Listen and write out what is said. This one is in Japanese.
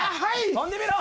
跳んでみろ！